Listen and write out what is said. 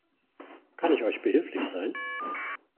Kann ich euch behilflich sein?